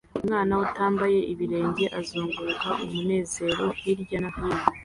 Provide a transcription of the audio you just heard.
Umwana utambaye ibirenge azunguruka umunezero-hirya no hino